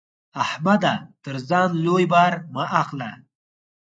احمده! تر ځان لوی بار مه اخله.